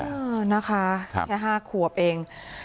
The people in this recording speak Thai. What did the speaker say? เออนะคะแค่๕ขวบเอง